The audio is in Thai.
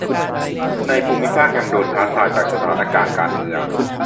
ในภูมิภาคยังโดนท้าทายจากสถานการณ์การเมือง